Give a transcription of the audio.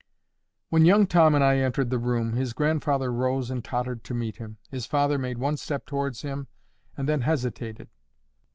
When young Tom and I entered the room, his grandfather rose and tottered to meet him. His father made one step towards him and then hesitated.